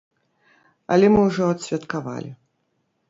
Але мы ўжо адсвяткавалі.